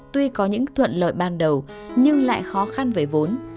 tuy có những thuận lợi ban đầu nhưng lại khó khăn về vốn